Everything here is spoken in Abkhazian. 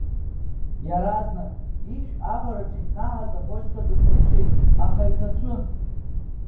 Иаразнак, ишә авараҿы икнаҳаз аԥошьҭа дынҭаԥшит, аха иҭацәын.